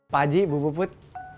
pak haji bu poput